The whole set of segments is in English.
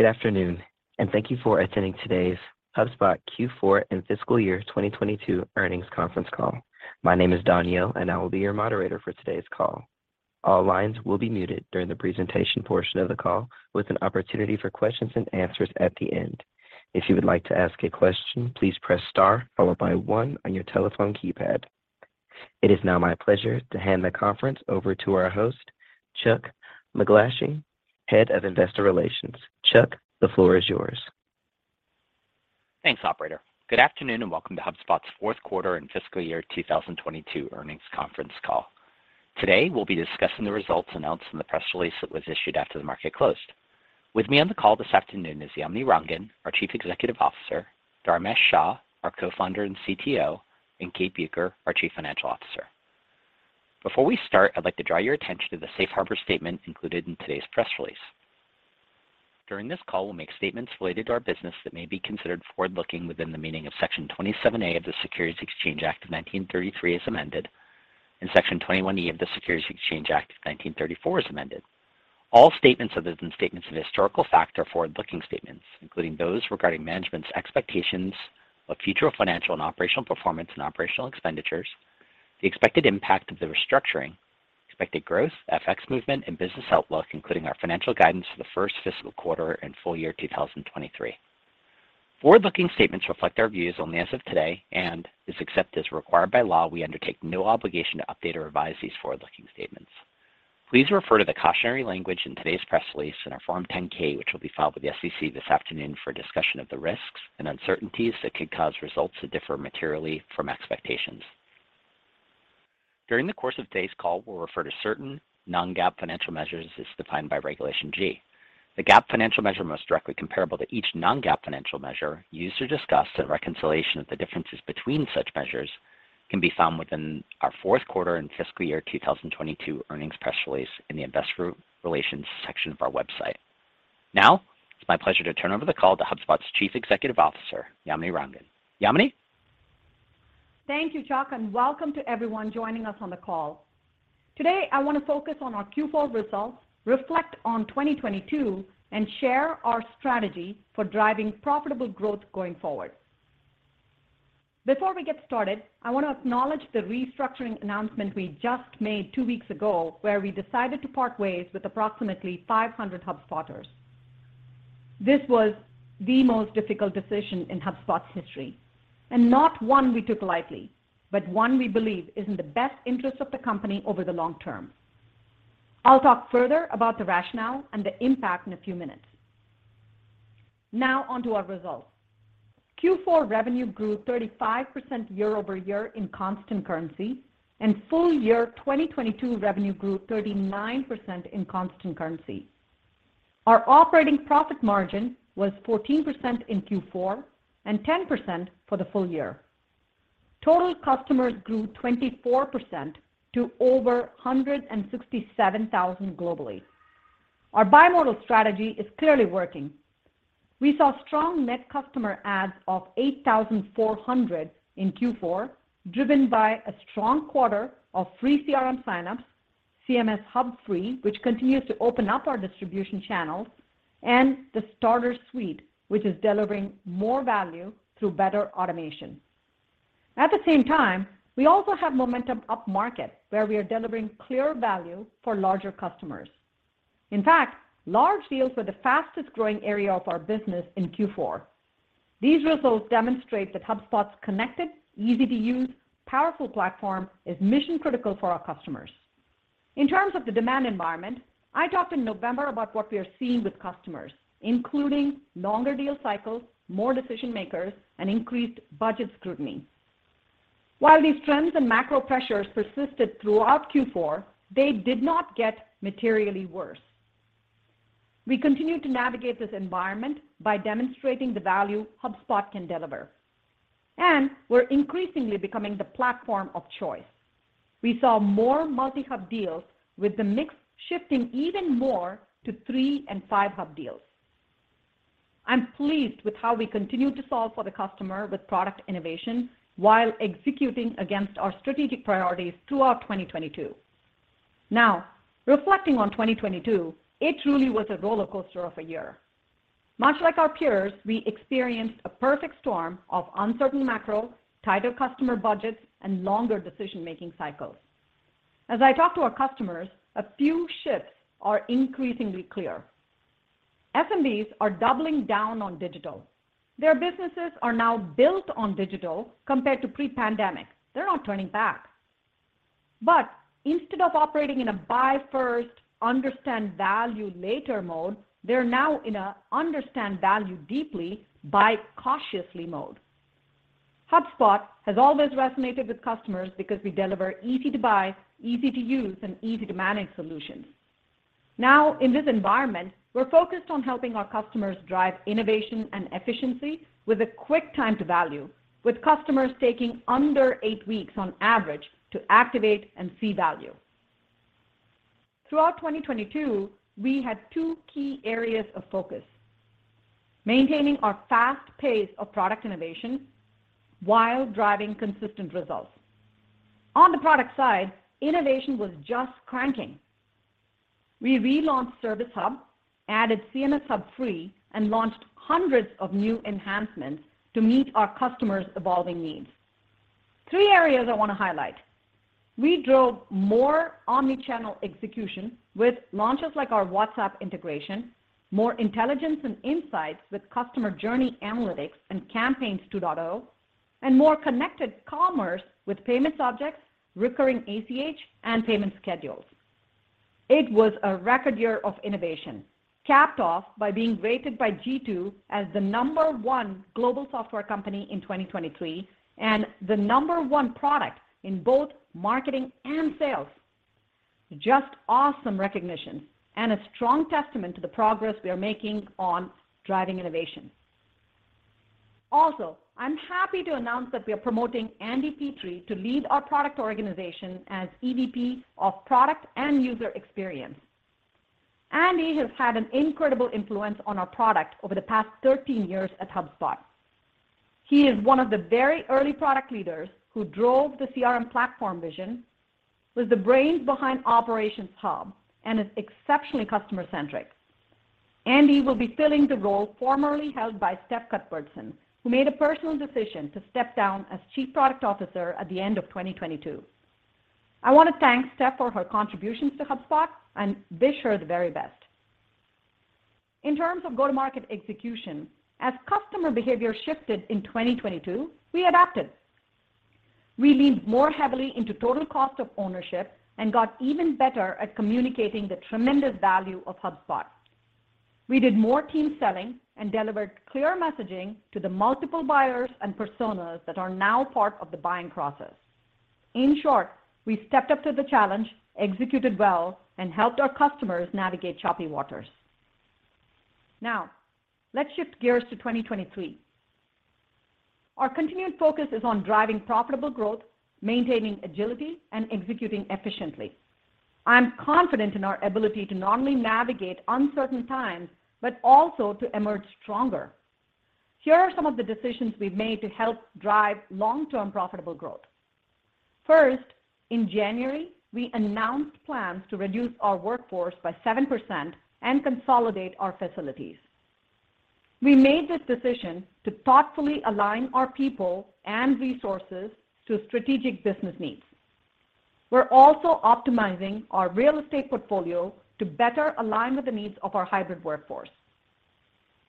Good afternoon. Thank you for attending today's HubSpot Q4 and fiscal year 2022 earnings conference call. My name is Dani. I will be your moderator for today's call. All lines will be muted during the presentation portion of the call with an opportunity for questions and answers at the end. If you would like to ask a question, please press star followed by one on your telephone keypad. It is now my pleasure to hand the conference over to our host, Chuck MacGlashan, Head of Investor Relations. Chuck, the floor is yours. Thanks, operator. Good afternoon, and welcome to HubSpot's fourth quarter and fiscal year 2022 earnings conference call. Today, we'll be discussing the results announced in the press release that was issued after the market closed. With me on the call this afternoon is Yamini Rangan, our Chief Executive Officer, Dharmesh Shah, our Co-founder and CTO, and Kate Bueker, our Chief Financial Officer. Before we start, I'd like to draw your attention to the Safe Harbor statement included in today's press release. During this call, we'll make statements related to our business that may be considered forward-looking within the meaning of Section 27A of the Securities Exchange Act of 1933 as amended, and Section 21E of the Securities Exchange Act of 1934 as amended. All statements other than statements of historical fact are forward-looking statements, including those regarding management's expectations of future financial and operational performance and operational expenditures, the expected impact of the restructuring, expected growth, FX movement, and business outlook, including our financial guidance for the first fiscal quarter and full year 2023. Forward-looking statements reflect our views only as of today, and is except as required by law, we undertake no obligation to update or revise these forward-looking statements. Please refer to the cautionary language in today's press release in our Form 10-K, which will be filed with the SEC this afternoon for a discussion of the risks and uncertainties that could cause results to differ materially from expectations. During the course of today's call, we'll refer to certain non-GAAP financial measures as defined by Regulation G. The GAAP financial measure most directly comparable to each non-GAAP financial measure, used or discussed and reconciliation of the differences between such measures can be found within our fourth quarter and fiscal year 2022 earnings press release in the investor relations section of our website. Now, it's my pleasure to turn over the call to HubSpot's Chief Executive Officer, Yamini Rangan. Yamini? Thank you, Chuck. Welcome to everyone joining us on the call. Today, I want to focus on our Q4 results, reflect on 2022, and share our strategy for driving profitable growth going forward. Before we get started, I want to acknowledge the restructuring announcement we just made two weeks ago where we decided to part ways with approximately 500 HubSpotters. This was the most difficult decision in HubSpot's history, and not one we took lightly, but one we believe is in the best interest of the company over the long term. I'll talk further about the rationale and the impact in a few minutes. On to our results. Q4 revenue grew 35% year-over-year in constant currency, and full year 2022 revenue grew 39% in constant currency. Our operating profit margin was 14% in Q4 and 10% for the full year. Total customers grew 24% to over 167,000 globally. Our bi-modal strategy is clearly working. We saw strong net customer adds of 8,400 in Q4, driven by a strong quarter of free CRM sign-ups, CMS Hub Free, which continues to open up our distribution channels, and the Starter Suite, which is delivering more value through better automation. At the same time, we also have momentum up market where we are delivering clear value for larger customers. In fact, large deals were the fastest growing area of our business in Q4. These results demonstrate that HubSpot's connected, easy to use, powerful platform is mission critical for our customers. In terms of the demand environment, I talked in November about what we are seeing with customers, including longer deal cycles, more decision-makers, and increased budget scrutiny. While these trends and macro pressures persisted throughout Q4, they did not get materially worse. We continued to navigate this environment by demonstrating the value HubSpot can deliver, and we're increasingly becoming the platform of choice. We saw more multi-hub deals with the mix shifting even more to three and five-hub deals. I'm pleased with how we continued to solve for the customer with product innovation while executing against our strategic priorities throughout 2022. Now, reflecting on 2022, it truly was a rollercoaster of a year. Much like our peers, we experienced a perfect storm of uncertain macro, tighter customer budgets, and longer decision-making cycles. As I talk to our customers, a few shifts are increasingly clear. SMBs are doubling down on digital. Their businesses are now built on digital compared to pre-pandemic. They're not turning back. Instead of operating in a buy first, understand value later mode, they're now in a understand value deeply, buy cautiously mode. HubSpot has always resonated with customers because we deliver easy to buy, easy to use, and easy to manage solutions. In this environment, we're focused on helping our customers drive innovation and efficiency with a quick time to value, with customers taking under eight weeks on average to activate and see value. Throughout 2022, we had two key areas of focus: maintaining our fast pace of product innovation while driving consistent results. On the product side, innovation was just cranking. We relaunched Service Hub, added CMS Hub Free, and launched hundreds of new enhancements to meet our customers' evolving needs. Three areas I want to highlight. We drove more omnichannel execution with launches like our WhatsApp integration, more intelligence and insights with customer journey analytics and Campaigns 2.0, and more connected commerce with payments objects, recurring ACH, and payment schedules. It was a record year of innovation, capped off by being rated by G2 as the number one global software company in 2023 and the number one product in both marketing and sales. Just awesome recognition and a strong testament to the progress we are making on driving innovation. Also, I'm happy to announce that we are promoting Andy Pitre to lead our product organization as EVP of Product and User Experience. Andy has had an incredible influence on our product over the past 13 years at HubSpot. He is one of the very early product leaders who drove the CRM platform vision, was the brains behind Operations Hub, and is exceptionally customer-centric. Andy will be filling the role formerly held by Steph Cuthbertson, who made a personal decision to step down as Chief Product Officer at the end of 2022. I want to thank Steph for her contributions to HubSpot and wish her the very best. In terms of go-to-market execution, as customer behavior shifted in 2022, we adapted. We leaned more heavily into total cost of ownership and got even better at communicating the tremendous value of HubSpot. We did more team selling and delivered clear messaging to the multiple buyers and personas that are now part of the buying process. In short, we stepped up to the challenge, executed well, and helped our customers navigate choppy waters. Now, let's shift gears to 2023. Our continued focus is on driving profitable growth, maintaining agility, and executing efficiently. I'm confident in our ability to not only navigate uncertain times but also to emerge stronger. Here are some of the decisions we've made to help drive long-term profitable growth. First, in January, we announced plans to reduce our workforce by 7% and consolidate our facilities. We made this decision to thoughtfully align our people and resources to strategic business needs. We're also optimizing our real estate portfolio to better align with the needs of our hybrid workforce.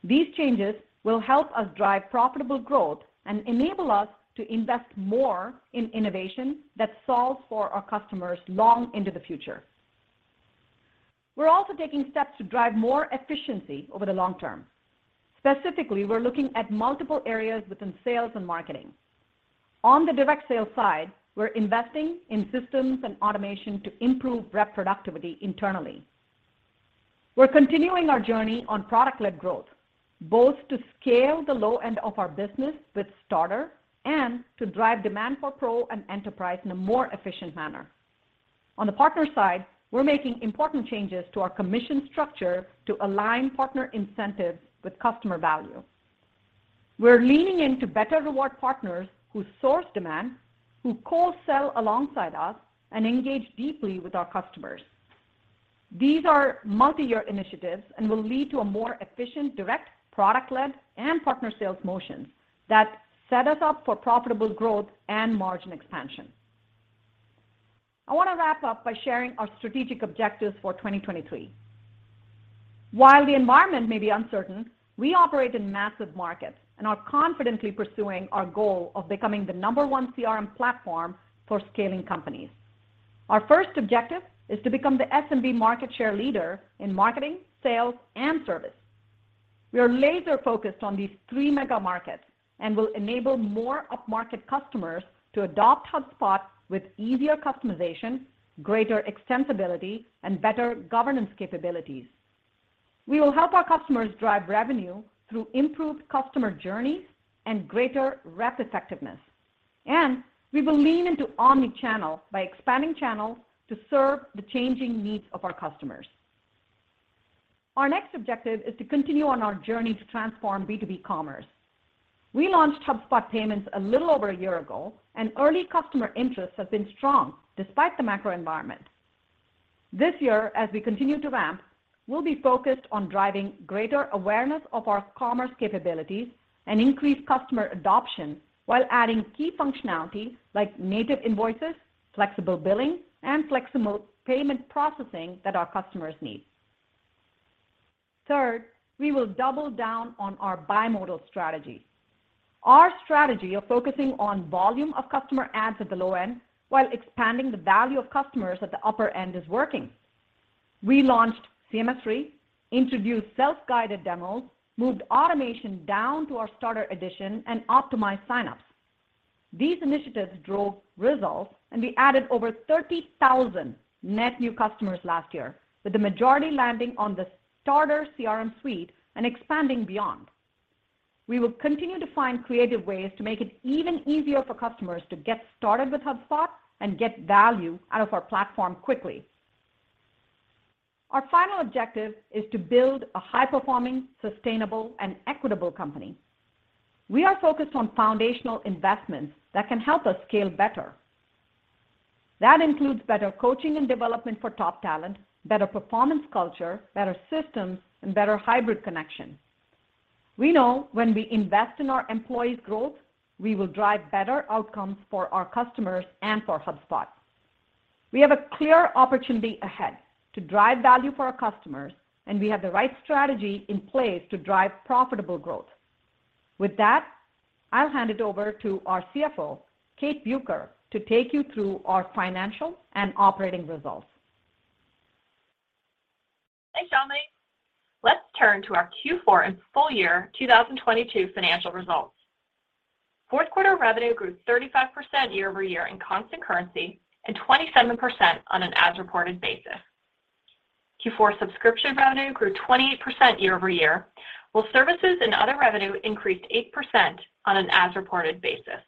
These changes will help us drive profitable growth and enable us to invest more in innovation that solves for our customers long into the future. We're also taking steps to drive more efficiency over the long term. Specifically, we're looking at multiple areas within sales and marketing. On the direct sales side, we're investing in systems and automation to improve rep productivity internally. We're continuing our journey on product-led growth, both to scale the low end of our business with Starter and to drive demand for Pro and Enterprise in a more efficient manner. On the partner side, we're making important changes to our commission structure to align partner incentives with customer value. We're leaning into better reward partners who source demand, who co-sell alongside us, and engage deeply with our customers. These are multi-year initiatives and will lead to a more efficient direct product-led and partner sales motions that set us up for profitable growth and margin expansion. I want to wrap up by sharing our strategic objectives for 2023. While the environment may be uncertain, we operate in massive markets and are confidently pursuing our goal of becoming the number one CRM platform for scaling companies. Our first objective is to become the SMB market share leader in marketing, sales, and service. We are laser-focused on these three mega markets and will enable more upmarket customers to adopt HubSpot with easier customization, greater extensibility, and better governance capabilities. We will help our customers drive revenue through improved customer journeys and greater rep effectiveness. We will lean into omnichannel by expanding channels to serve the changing needs of our customers. Our next objective is to continue on our journey to transform B2B Commerce. We launched HubSpot Payments a little over a year ago, and early customer interest has been strong despite the macro environment. This year, as we continue to ramp, we'll be focused on driving greater awareness of our commerce capabilities and increase customer adoption while adding key functionality like native invoices, flexible billing, and flexible payment processing that our customers need. We will double down on our bi-modal strategy. Our strategy of focusing on volume of customer adds at the low end while expanding the value of customers at the upper end is working. We launched CMS 3, introduced self-guided demos, moved automation down to our Starter edition, and optimized sign-ups. These initiatives drove results, and we added over 30,000 net new customers last year, with the majority landing on the Starter CRM Suite and expanding beyond. We will continue to find creative ways to make it even easier for customers to get started with HubSpot and get value out of our platform quickly. Our final objective is to build a high-performing, sustainable, and equitable company. We are focused on foundational investments that can help us scale better. That includes better coaching and development for top talent, better performance culture, better systems, and better hybrid connection. We know when we invest in our employees' growth, we will drive better outcomes for our customers and for HubSpot. We have a clear opportunity ahead to drive value for our customers, and we have the right strategy in place to drive profitable growth. With that, I'll hand it over to our CFO, Kate Bueker, to take you through our financial and operating results. Thanks, Yamini. Let's turn to our Q4 and full year 2022 financial results. Fourth quarter revenue grew 35% year-over-year in constant currency and 27% on an as-reported basis. Q4 subscription revenue grew 28% year-over-year, while services and other revenue increased 8% on an as-reported basis.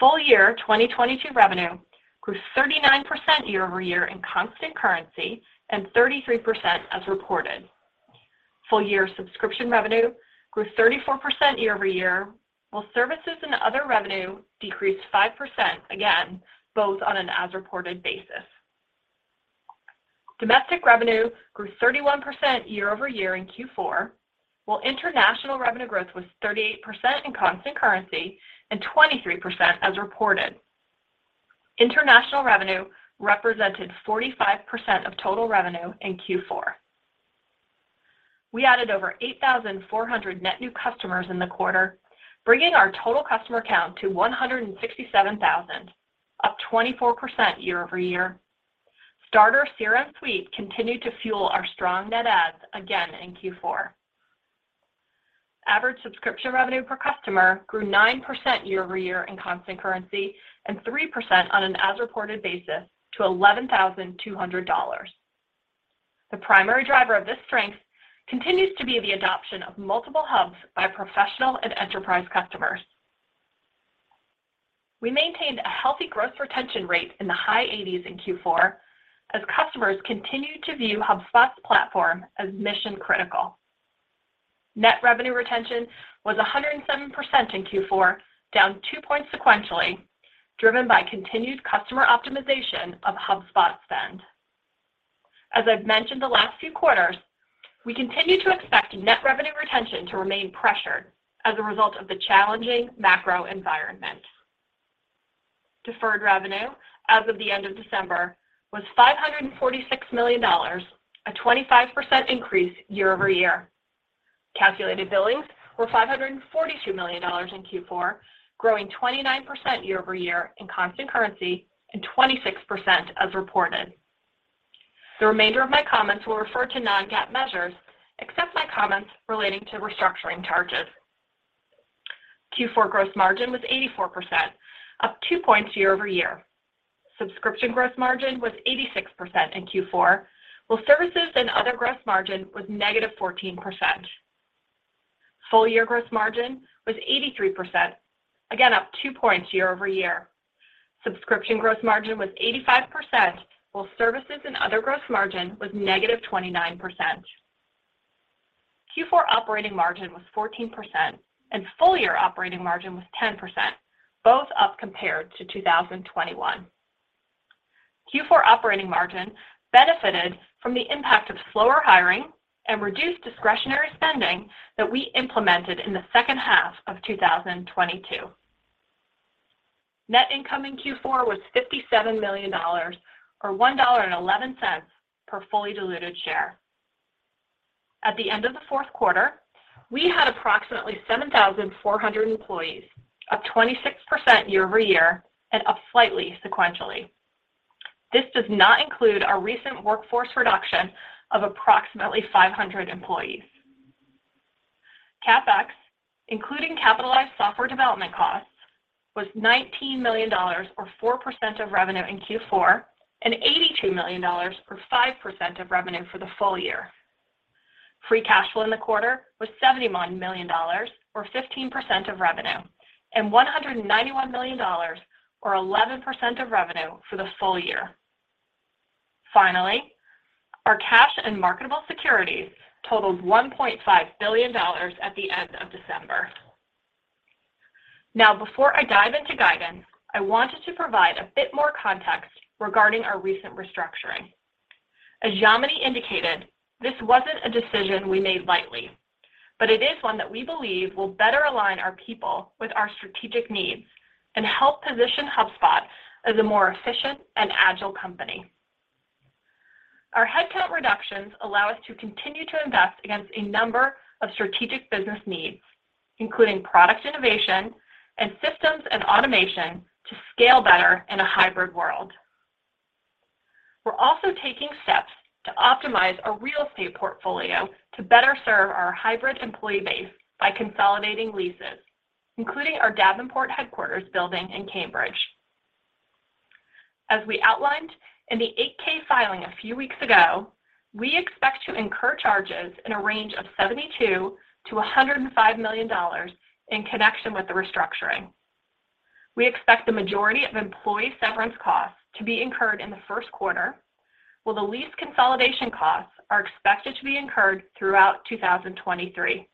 Full year 2022 revenue grew 39% year-over-year in constant currency and 33% as reported. Full year subscription revenue grew 34% year-over-year, while services and other revenue decreased 5%, again, both on an as-reported basis. Domestic revenue grew 31% year-over-year in Q4, while international revenue growth was 38% in constant currency and 23% as reported. International revenue represented 45% of total revenue in Q4. We added over 8,400 net new customers in the quarter, bringing our total customer count to 167,000, up 24% year-over-year. Starter CRM Suite continued to fuel our strong net adds again in Q4. Average subscription revenue per customer grew 9% year-over-year in constant currency and 3% on an as-reported basis to $11,200. The primary driver of this strength continues to be the adoption of multiple hubs by professional and enterprise customers. We maintained a healthy gross retention rate in the high 80s in Q4 as customers continued to view HubSpot's platform as mission-critical. Net revenue retention was 107%% in Q4, down 2 points sequentially, driven by continued customer optimization of HubSpot spend. As I've mentioned the last few quarters, we continue to expect net revenue retention to remain pressured as a result of the challenging macro environment. Deferred revenue as of the end of December was $546 million, a 25% increase year-over-year. Calculated billings were $542 million in Q4, growing 29% year-over-year in constant currency and 26% as reported. The remainder of my comments will refer to non-GAAP measures except my comments relating to restructuring charges. Q4 gross margin was 84%, up 2 points year-over-year. Subscription gross margin was 86% in Q4, while services and other gross margin was negative 14%. Full year gross margin was 83%, again up 2 points year-over-year. Subscription gross margin was 85%, while services and other gross margin was negative 29%. Q4 operating margin was 14%, and full year operating margin was 10%, both up compared to 2021. Q4 operating margin benefited from the impact of slower hiring and reduced discretionary spending that we implemented in the second half of 2022. Net income in Q4 was $57 million or $1.11 per fully diluted share. At the end of the fourth quarter, we had approximately 7,400 employees, up 26% year-over-year and up slightly sequentially. This does not include our recent workforce reduction of approximately 500 employees. CapEx, including capitalized software development costs, was $19 million or 4% of revenue in Q4 and $82 million or 5% of revenue for the full year. Free cash flow in the quarter was $71 million or 15% of revenue and $191 million or 11% of revenue for the full year. Our cash and marketable securities totaled $1.5 billion at the end of December. Before I dive into guidance, I wanted to provide a bit more context regarding our recent restructuring. As Yamini indicated, this wasn't a decision we made lightly, but it is one that we believe will better align our people with our strategic needs and help position HubSpot as a more efficient and agile company. Our headcount reductions allow us to continue to invest against a number of strategic business needs, including product innovation and systems and automation to scale better in a hybrid world. We're also taking steps to optimize our real estate portfolio to better serve our hybrid employee base by consolidating leases, including our Davenport headquarters building in Cambridge. As we outlined in the 8-K filing a few weeks ago, we expect to incur charges in a range of $72 million-$105 million in connection with the restructuring. We expect the majority of employee severance costs to be incurred in the first quarter, while the lease consolidation costs are expected to be incurred throughout 2023.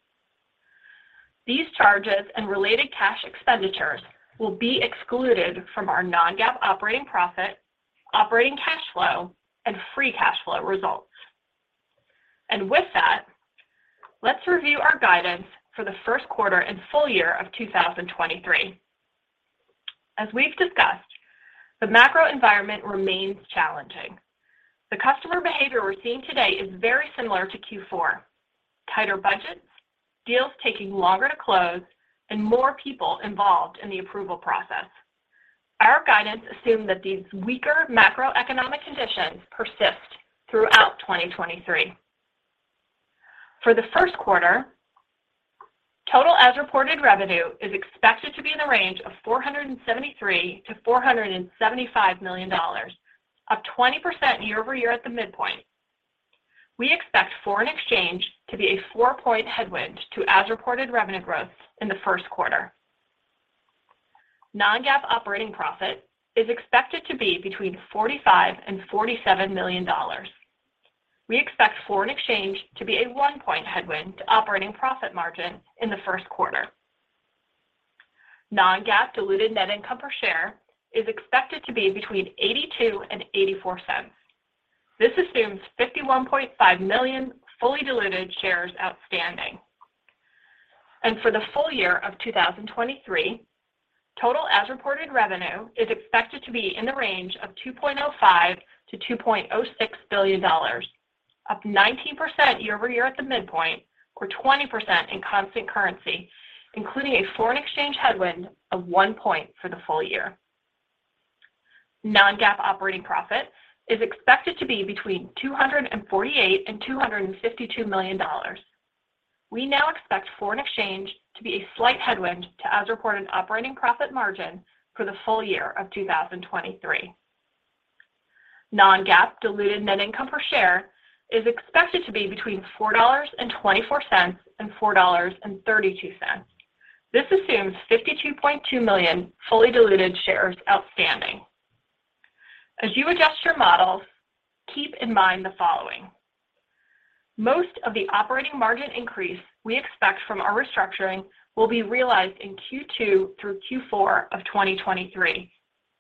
These charges and related cash expenditures will be excluded from our non-GAAP operating profit, operating cash flow, and free cash flow results. With that, let's review our guidance for the first quarter and full year of 2023. As we've discussed, the macro environment remains challenging. The customer behavior we're seeing today is very similar to Q4: tighter budgets, deals taking longer to close, and more people involved in the approval process. Our guidance assume that these weaker macroeconomic conditions persist throughout 2023. For the first quarter, total as-reported revenue is expected to be in the range of $473 million-$475 million, up 20% year-over-year at the midpoint. We expect Foreign exchange to be a 4-point headwind to as-reported revenue growth in the first quarter. Non-GAAP operating profit is expected to be between $45 million and $47 million. We expect foreign exchange to be a 1-point headwind to operating profit margin in the first quarter. Non-GAAP diluted net income per share is expected to be between $0.82 and $0.84. This assumes 51.5 million fully diluted shares outstanding. For the full year of 2023, total as-reported revenue is expected to be in the range of $2.05 billion-$2.06 billion, up 19% year-over-year at the midpoint, or 20% in constant currency, including a foreign exchange headwind of 1 point for the full year. Non-GAAP operating profit is expected to be between $248 million and $252 million. We now expect foreign exchange to be a slight headwind to as-reported operating profit margin for the full year of 2023. Non-GAAP diluted net income per share is expected to be between $4.24 and $4.32. This assumes 52.2 million fully diluted shares outstanding. As you adjust your models, keep in mind the following. Most of the operating margin increase we expect from our restructuring will be realized in Q2 through Q4 of 2023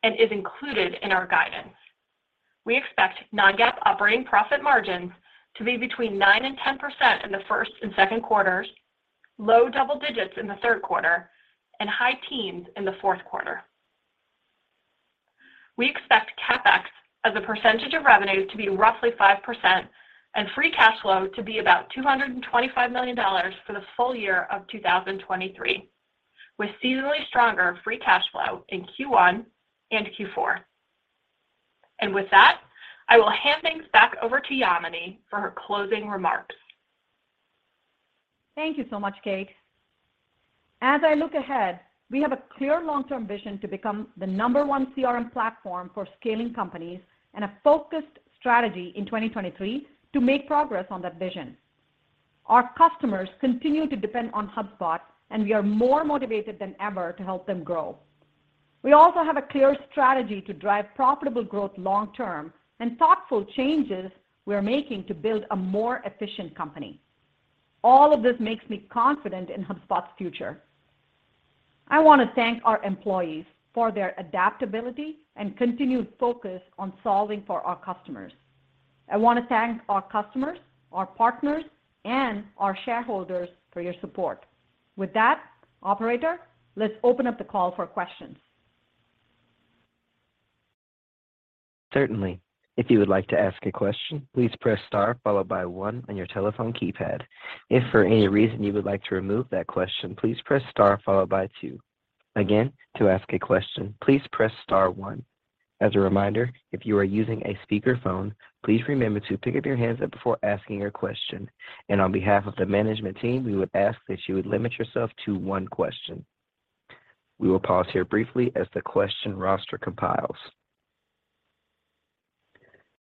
and is included in our guidance. We expect non-GAAP operating profit margins to be between 9% and 10% in the first and second quarters, low double digits in the third quarter, and high teens in the fourth quarter. We expect CapEx as a percentage of revenue to be roughly 5% and free cash flow to be about $225 million for the full year of 2023, with seasonally stronger free cash flow in Q1 and Q4. With that, I will hand things back over to Yamini for her closing remarks. Thank you so much, Kate. As I look ahead, we have a clear long-term vision to become the number one CRM platform for scaling companies and a focused strategy in 2023 to make progress on that vision. Our customers continue to depend on HubSpot, and we are more motivated than ever to help them grow. We also have a clear strategy to drive profitable growth long term and thoughtful changes we're making to build a more efficient company. All of this makes me confident in HubSpot's future. I want to thank our employees for their adaptability and continued focus on solving for our customers. I want to thank our customers, our partners, and our shareholders for your support. With that, operator, let's open up the call for questions. Certainly. If you would like to ask a question, please press star followed by one on your telephone keypad. If for any reason you would like to remove that question, please press star followed by two. Again, to ask a question, please press star one. As a reminder, if you are using a speakerphone, please remember to pick up your handset before asking your question. On behalf of the management team, we would ask that you would limit yourself to one question. We will pause here briefly as the question roster compiles.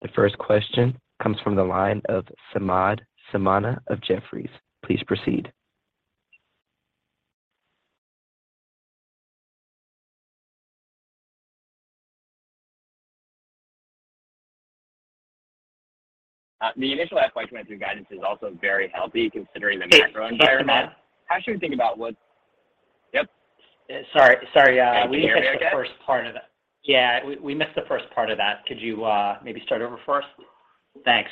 The first question comes from the line of Samad Samana of Jefferies. Please proceed. The initial FY 2023 guidance is also very healthy considering the macro environment. Samad How should we think about what? Yep. Sorry. Sorry, we missed the first part of that. Can you hear me okay? Yeah, we missed the first part of that. Could you maybe start over for us? Thanks.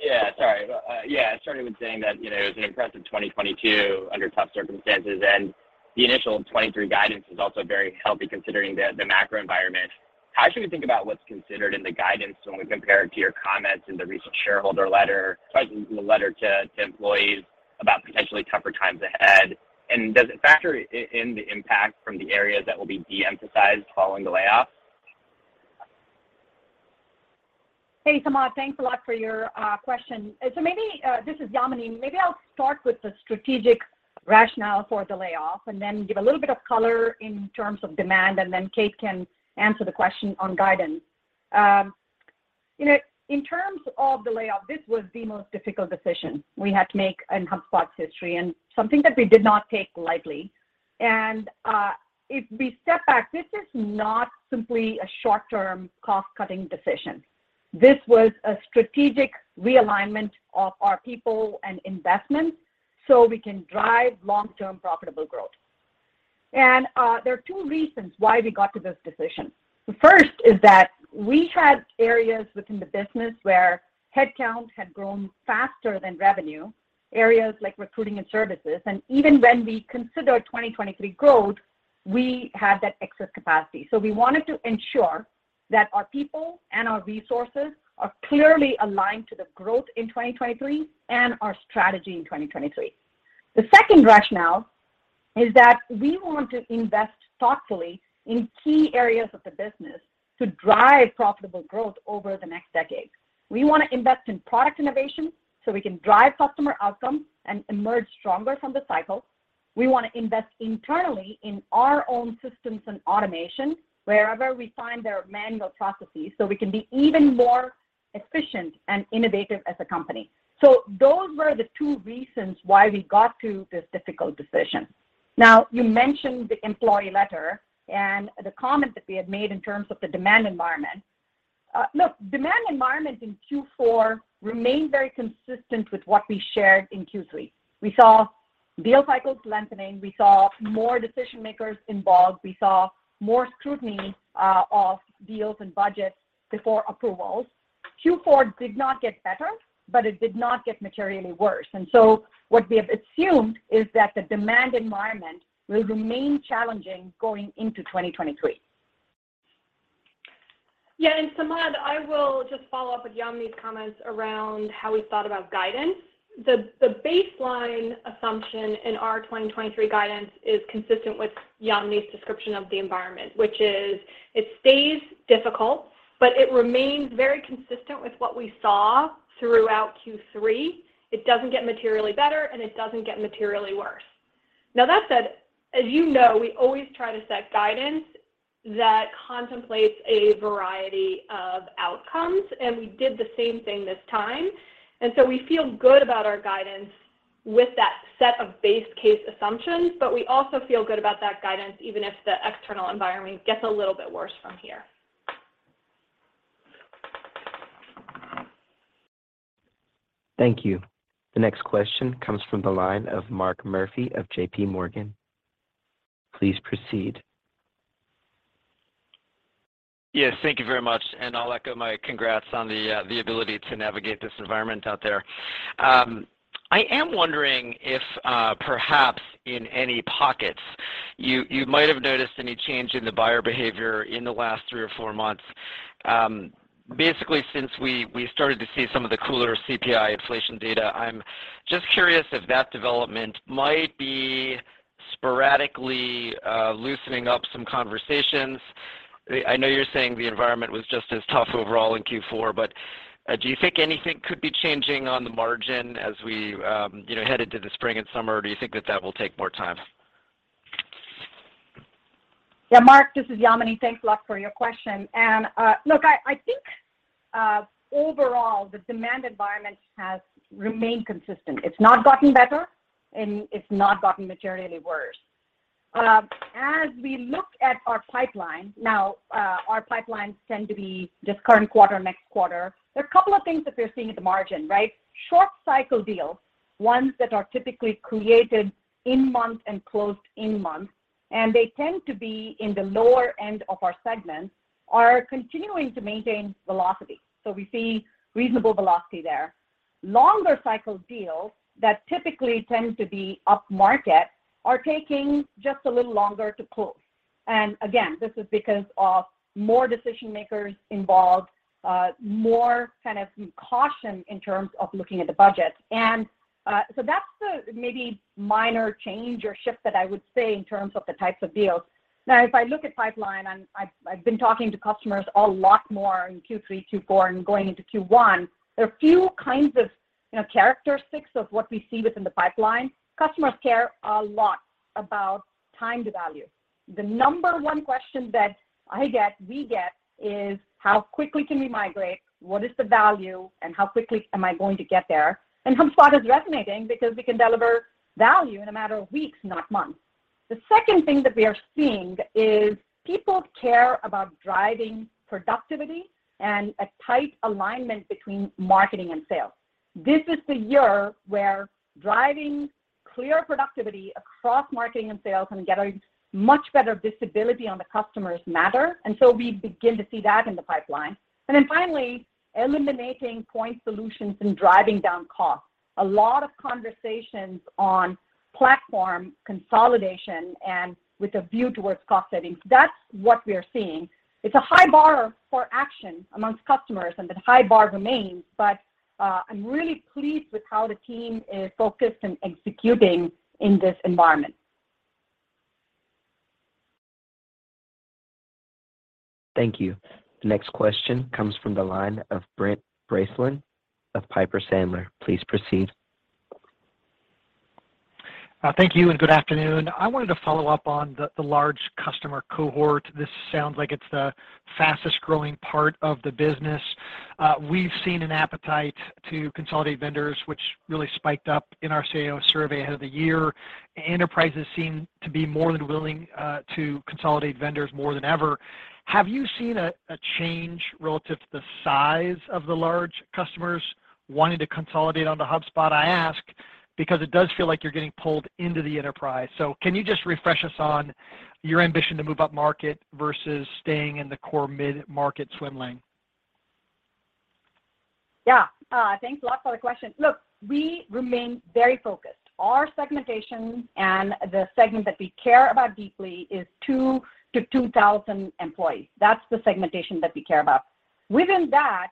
Yeah. Sorry. Yeah, I started with saying that, you know, it was an impressive 2022 under tough circumstances, and the initial 2023 guidance is also very healthy considering the macro environment. How should we think about what's considered in the guidance when we compare it to your comments in the recent shareholder letter, sorry, the letter to employees about potentially tougher times ahead? Does it factor in the impact from the areas that will be de-emphasized following the layoffs? Hey, Samad. Thanks a lot for your question. This is Yamini. Maybe I'll start with the strategic rationale for the layoff and then give a little bit of color in terms of demand, and then Kate can answer the question on guidance. You know, in terms of the layoff, this was the most difficult decision we had to make in HubSpot's history, and something that we did not take lightly. If we step back, this is not simply a short-term cost-cutting decision. This was a strategic realignment of our people and investments so we can drive long-term profitable growth. There are two reasons why we got to this decision. The first is that we had areas within the business where headcount had grown faster than revenue, areas like recruiting and services. Even when we consider 2023 growth, we had that excess capacity. We wanted to ensure that our people and our resources are clearly aligned to the growth in 2023 and our strategy in 2023. The second rationale is that we want to invest thoughtfully in key areas of the business to drive profitable growth over the next decade. We wanna invest in product innovation so we can drive customer outcomes and emerge stronger from the cycle. We want to invest internally in our own systems and automation wherever we find there are manual processes, so we can be even more efficient and innovative as a company. Those were the two reasons why we got to this difficult decision. Now, you mentioned the employee letter and the comment that we had made in terms of the demand environment. Look, demand environment in Q4 remained very consistent with what we shared in Q3. We saw deal cycles lengthening, we saw more decision-makers involved, we saw more scrutiny of deals and budgets before approvals. Q4 did not get better, but it did not get materially worse. What we have assumed is that the demand environment will remain challenging going into 2023. Yeah. Samad, I will just follow up with Yamini's comments around how we thought about guidance. The baseline assumption in our 2023 guidance is consistent with Yamini's description of the environment. Which is it stays difficult, but it remains very consistent with what we saw throughout Q3. It doesn't get materially better, and it doesn't get materially worse. That said, as you know, we always try to set guidance that contemplates a variety of outcomes, and we did the same thing this time. We feel good about our guidance with that set of base case assumptions, but we also feel good about that guidance, even if the external environment gets a little bit worse from here. Thank you. The next question comes from the line of Mark Murphy of JPMorgan. Please proceed. Yes, thank you very much, and I'll echo my congrats on the ability to navigate this environment out there. I am wondering if, perhaps in any pockets you might have noticed any change in the buyer behavior in the last three or four months. Basically since we started to see some of the cooler CPI inflation data. I'm just curious if that development might be sporadically, loosening up some conversations. I know you're saying the environment was just as tough overall in Q4, but, do you think anything could be changing on the margin as we, you know, head into the spring and summer, or do you think that that will take more time? Yeah, Mark, this is Yamini. Thanks a lot for your question. Look, I think overall, the demand environment has remained consistent. It's not gotten better, and it's not gotten materially worse. As we look at our pipeline, now, our pipelines tend to be just current quarter, next quarter. There are a couple of things that we're seeing at the margin, right? Short cycle deals, ones that are typically created in month and closed in month, and they tend to be in the lower end of our segments, are continuing to maintain velocity. We see reasonable velocity there. Longer cycle deals that typically tend to be upmarket are taking just a little longer to close. Again, this is because of more decision-makers involved, more kind of caution in terms of looking at the budget. So that's the maybe minor change or shift that I would say in terms of the types of deals. Now, if I look at pipeline, I've been talking to customers a lot more in Q3, Q4, and going into Q1. There are a few kinds of, you know, characteristics of what we see within the pipeline. Customers care a lot about time to value. The number one question that I get, we get, is: How quickly can we migrate? What is the value, and how quickly am I going to get there? HubSpot is resonating because we can deliver value in a matter of weeks, not months. The second thing that we are seeing is people care about driving productivity and a tight alignment between marketing and sales. This is the year where driving clear productivity across marketing and sales can get a much better visibility on the customers matter. We begin to see that in the pipeline. Finally, eliminating point solutions and driving down costs. A lot of conversations on platform consolidation and with a view towards cost savings. That's what we're seeing. It's a high bar for action amongst customers, and that high bar remains, but I'm really pleased with how the team is focused in executing in this environment. Thank you. The next question comes from the line of Brent Bracelin of Piper Sandler. Please proceed. Thank you and good afternoon. I wanted to follow up on the large customer cohort. This sounds like it's the fastest-growing part of the business. We've seen an appetite to consolidate vendors, which really spiked up in our CEO survey ahead of the year. Enterprises seem to be more than willing to consolidate vendors more than ever. Have you seen a change relative to the size of the large customers wanting to consolidate onto HubSpot? I ask because it does feel like you're getting pulled into the enterprise. Can you just refresh us on your ambition to move upmarket versus staying in the core mid-market swim lane? Yeah. Thanks a lot for the question. Look, we remain very focused. Our segmentation and the segment that we care about deeply is two to 2,000 employees. That's the segmentation that we care about. Within that,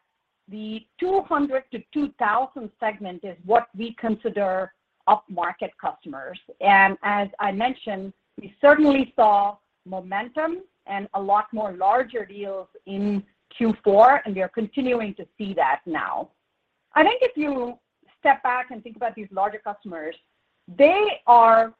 the 200 to 2,000 segment is what we consider upmarket customers. As I mentioned, we certainly saw momentum and a lot more larger deals in Q4, and we are continuing to see that now. I think if you step back and think about these larger customers, they are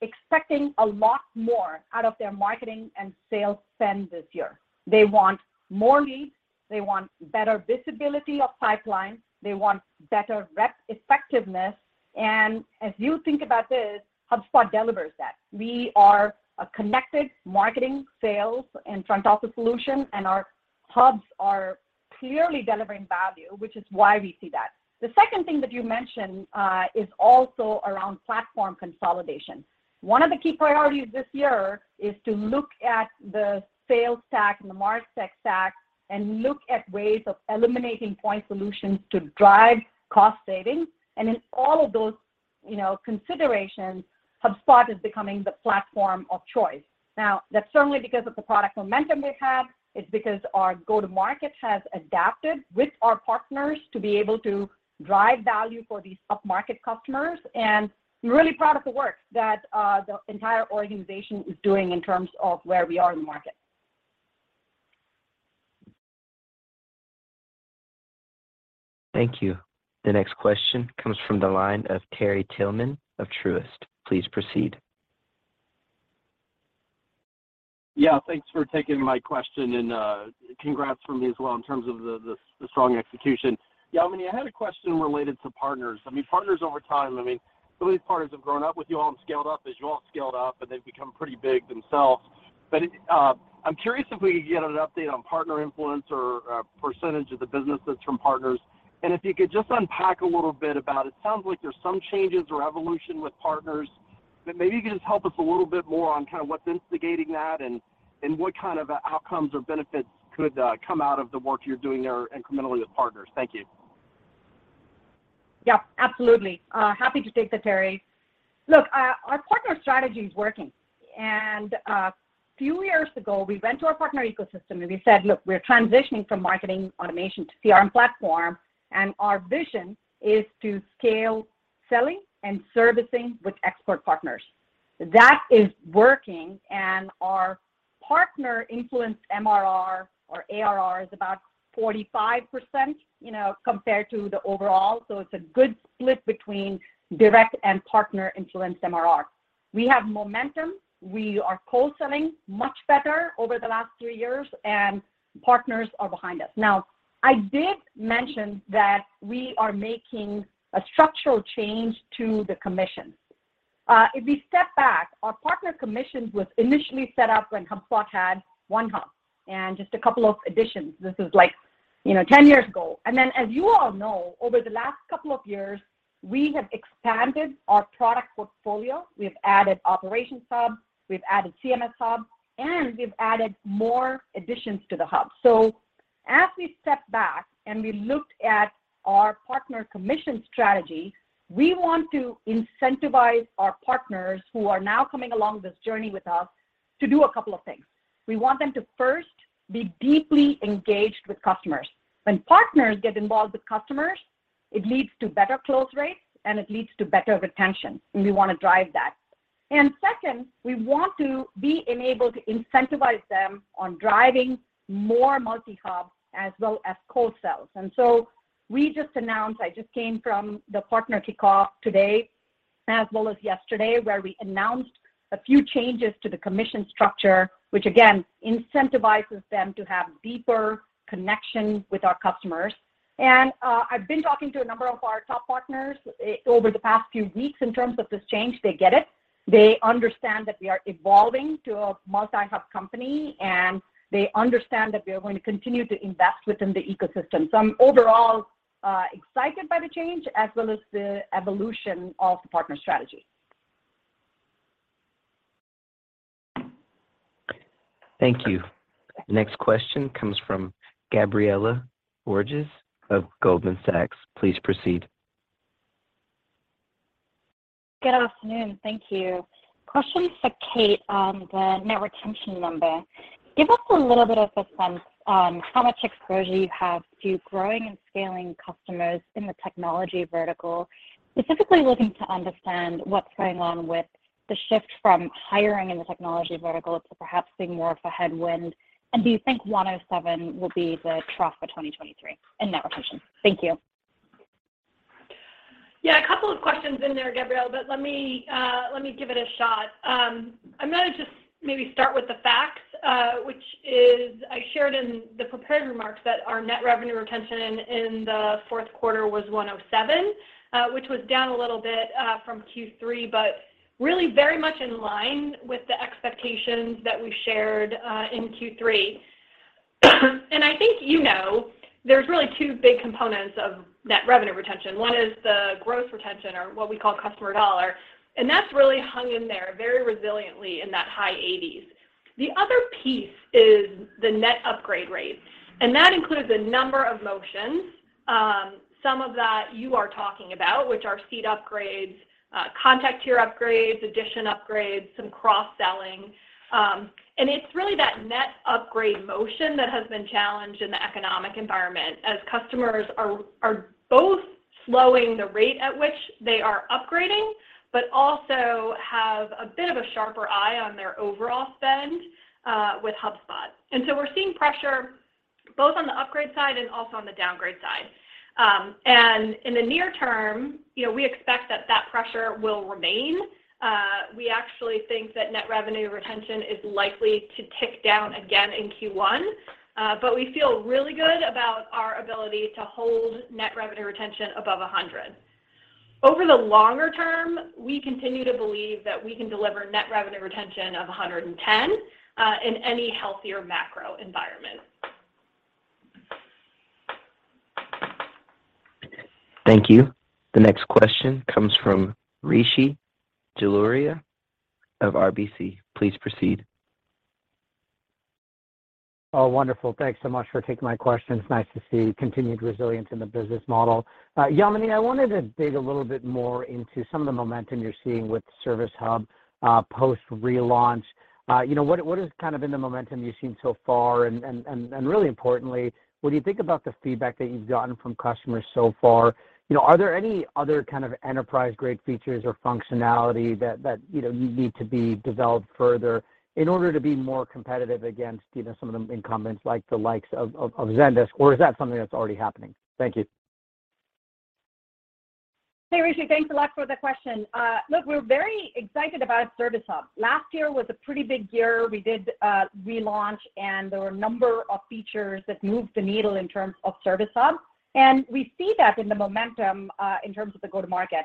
expecting a lot more out of their marketing and sales spend this year. They want more leads, they want better visibility of pipeline, they want better rep effectiveness, and as you think about this, HubSpot delivers that. We are a connected marketing, sales, and front-office solution, and our hubs are clearly delivering value, which is why we see that. The second thing that you mentioned is also around platform consolidation. One of the key priorities this year is to look at the sales stack and the MarTech stack and look at ways of eliminating point solutions to drive cost savings. In all of those, you know, considerations, HubSpot is becoming the platform of choice. That's certainly because of the product momentum we have. It's because our go-to-market has adapted with our partners to be able to drive value for these upmarket customers. We're really proud of the work that the entire organization is doing in terms of where we are in the market. Thank you. The next question comes from the line of Terry Tillman of Truist. Please proceed. Yeah, thanks for taking my question, and congrats from me as well in terms of the strong execution. Yamini, I had a question related to partners. I mean, partners over time, I mean, some of these partners have grown up with you all and scaled up as you all scaled up, and they've become pretty big themselves. I'm curious if we could get an update on partner influence or percentage of the business that's from partners. If you could just unpack a little bit about. It sounds like there's some changes or evolution with partners. Maybe you could just help us a little bit more on kind of what's instigating that and what kind of outcomes or benefits could come out of the work you're doing there incrementally with partners. Thank you. Yeah, absolutely. Happy to take that, Terry. Look, our partner strategy is working. A few years ago, we went to our partner ecosystem, and we said, "Look, we're transitioning from marketing automation to CRM platform, and our vision is to scale selling and servicing with expert partners." That is working, and our partner-influenced MRR or ARR is about 45%, you know, compared to the overall. It's a good split between direct and partner-influenced MRR. We have momentum. We are co-selling much better over the last three years, and partners are behind us. Now, I did mention that we are making a structural change to the commission. If we step back, our partner commissions was initially set up when HubSpot had one hub and just a couple of additions. This is like, you know, 10 years ago. As you all know, over the last couple of years, we have expanded our product portfolio. We've added Operations Hub, we've added CMS Hub, and we've added more additions to the hub. As we step back and we looked at our partner commission strategy, we want to incentivize our partners who are now coming along this journey with us to do a couple of things. We want them to first be deeply engaged with customers. When partners get involved with customers, it leads to better close rates, and it leads to better retention, and we want to drive that. Second, we want to be enabled to incentivize them on driving more multi-hub as well as co-sales. We just announced, I just came from the partner kickoff today as well as yesterday, where we announced a few changes to the commission structure, which again incentivizes them to have deeper connection with our customers. I've been talking to a number of our top partners over the past few weeks in terms of this change. They get it. They understand that we are evolving to a multi-hub company, and they understand that we are going to continue to invest within the ecosystem. I'm overall excited by the change as well as the evolution of the partner strategy. Thank you. Next question comes from Gabriela Borges of Goldman Sachs. Please proceed. Good afternoon. Thank you. Question for Kate on the net retention number. Give us a little bit of a sense on how much exposure you have to growing and scaling customers in the technology vertical. Specifically looking to understand what's going on with- the shift from hiring in the technology verticals to perhaps seeing more of a headwind. Do you think 107% will be the trough for 2023 in net retention? Thank you. Yeah, a couple of questions in there, Gabrielle, but let me give it a shot. I'm gonna just maybe start with the facts, which is I shared in the prepared remarks that our net revenue retention in the fourth quarter was 107%, which was down a little bit from Q3, but really very much in line with the expectations that we shared in Q3. I think you know there's really two big components of net revenue retention. One is the gross retention or what we call customer dollar, and that's really hung in there very resiliently in that high 80s. The other piece is the net upgrade rate, and that includes a number of motions, some of that you are talking about, which are seat upgrades, contact tier upgrades, addition upgrades, some cross-selling. It's really that net upgrade motion that has been challenged in the economic environment as customers are both slowing the rate at which they are upgrading, but also have a bit of a sharper eye on their overall spend with HubSpot. We're seeing pressure both on the upgrade side and also on the downgrade side. In the near term, you know, we expect that that pressure will remain. We actually think that net revenue retention is likely to tick down again in Q1, but we feel really good about our ability to hold net revenue retention above 100%. Over the longer term, we continue to believe that we can deliver net revenue retention of 110% in any healthier macro environment. Thank you. The next question comes from Rishi Jaluria of RBC. Please proceed. Oh, wonderful. Thanks so much for taking my questions. Nice to see continued resilience in the business model. Yamini, I wanted to dig a little bit more into some of the momentum you're seeing with Service Hub, post-relaunch. you know, what is kind of been the momentum you've seen so far? really importantly, when you think about the feedback that you've gotten from customers so far, you know, are there any other kind of enterprise-grade features or functionality that, you know, you need to be developed further in order to be more competitive against, you know, some of the incumbents like the likes of Zendesk, or is that something that's already happening? Thank you. Hey, Rishi. Thanks a lot for the question. Look, we're very excited about Service Hub. Last year was a pretty big year. We did a relaunch, and there were a number of features that moved the needle in terms of Service Hub, and we see that in the momentum in terms of the go-to-market.